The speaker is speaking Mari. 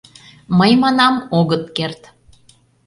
— Мый манам: огыт керт...